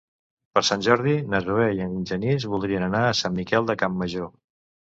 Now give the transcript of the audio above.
Per Sant Jordi na Zoè i en Genís voldrien anar a Sant Miquel de Campmajor.